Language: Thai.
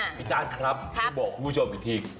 พี่จ้านครับจะบอกคุณผู้ชมอีกที